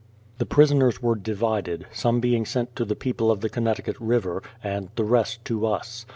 The prisoners were divided, some being sent to the people of the Connecticut River, and the rest to us.